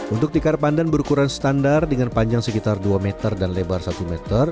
untuk tikar pandan berukuran standar dengan panjang sekitar dua meter dan lebar satu meter